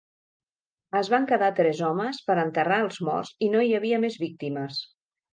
Es van quedar tres homes per enterrar els morts i no hi havia més víctimes.